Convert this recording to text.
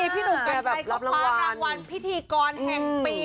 พี่นุ่มกันชัยก็ปลารางวัลพิธีกรแห่งปี